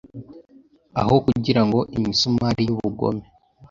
aho kugirango imisumari yubugome